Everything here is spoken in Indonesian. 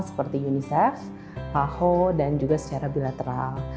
seperti unicef paho dan juga secara bilateral